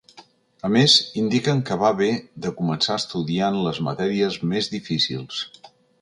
A més, indiquen que va bé de començar estudiant les matèries més difícils.